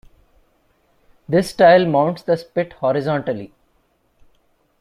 This style mounts the spit horizontally.